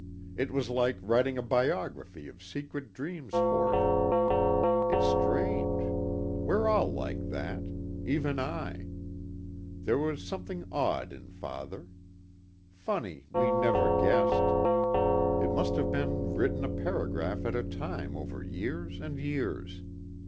It was like writing a biography of secret dreams for him. It's strange. We're all like that. Even I. There was something odd in father. Funny we never guessed. It must have been written a paragraph at a time over years and years.